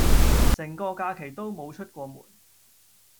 成個假期都無出過門